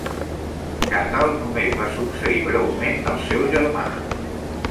Cathal només va succeir breument al seu germà.